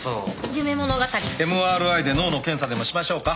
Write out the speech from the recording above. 夢物語ＭＲＩ で脳の検査でもしましょうか？